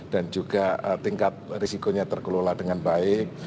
dan juga tingkat risikonya terkelola dengan baik